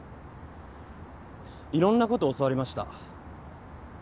いろんなこと教わりました。